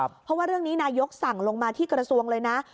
เพราะว่าเรื่องนี้นายกสั่งลงมาที่กระทรวงเลยนะ